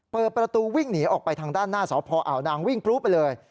เปิดประตูวิ่งหนีออกไปทางด้านหน้าสพอ่าวนางวิ่งพลุไปเลย